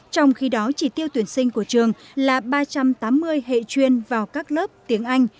trong khi đó chỉ tiêu tuyển sinh của trường là ba trăm tám mươi hệ chuyên vào các lớp tiếng anh